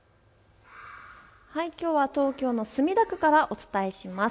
きょうは東京の墨田区からお伝えします。